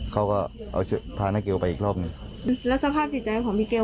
เขาก็เอาเชื้อมาทะเกลียวไปอีกรอบหนึ่งแล้วสภาพจิตใจของพี่เกลว